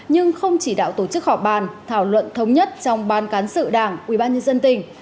nhưng không chỉ đạo tổ chức họp bàn thảo luận thống nhất trong ban cán sự đảng ubnd tỉnh